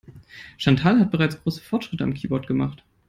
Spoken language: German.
Chantal hat bereits große Fortschritte am Keyboard gemacht.